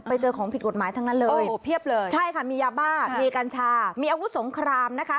ไปเจอของผิดกฎหมายทั้งนั้นเลยโอ้โหเพียบเลยใช่ค่ะมียาบ้ามีกัญชามีอาวุธสงครามนะคะ